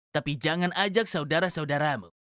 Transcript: tapi jangan ajak saudara saudaramu